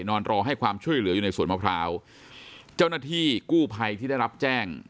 นอนรอให้ความช่วยเหลืออยู่ในสวนมะพร้าวเจ้าหน้าที่กู้ภัยที่ได้รับแจ้ง